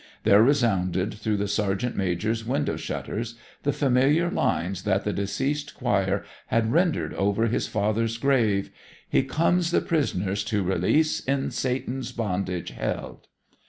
There resounded through the sergeant major's window shutters the familiar lines that the deceased choir had rendered over his father's grave: He comes' the pri' soners to' re lease', In Sa' tan's bon' dage held'.